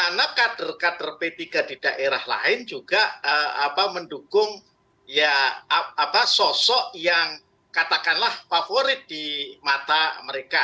karena kader kader b tiga di daerah lain juga mendukung sosok yang katakanlah favorit di mata mereka